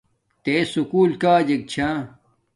تے سکُول کاجک چھا